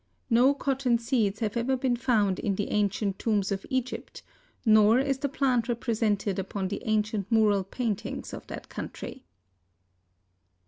No cotton seeds have ever been found in the ancient tombs of Egypt, nor is the plant represented upon the ancient mural paintings of that country.